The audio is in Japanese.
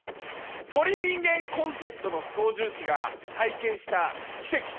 『鳥人間コンテスト』の操縦士が体験した奇跡。